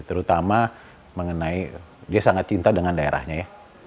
terutama mengenai dia sangat cinta dengan daerahnya ya